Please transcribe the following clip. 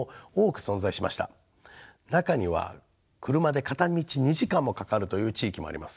中には車で片道２時間もかかるという地域もあります。